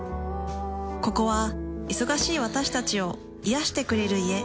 ここは忙しい私たちを癒してくれる家。